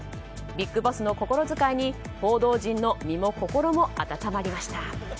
ビッグボスの心遣いに報道陣の身も心も温まりました。